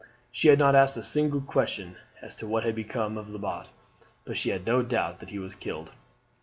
She had not asked a single question as to what had become of Lebat; but she had no doubt that he was killed.